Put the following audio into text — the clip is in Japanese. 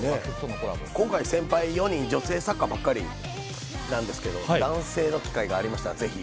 今回、先輩４人、女性作家ばかりなんですけども、男性の機会がありましたら、ぜひ。